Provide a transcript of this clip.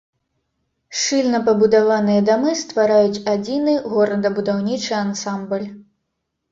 Шчыльна пабудаваныя дамы ствараюць адзіны горадабудаўнічы ансамбль.